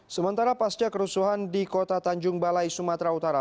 sementara pasca kerusuhan di kota tanjung balai sumatera utara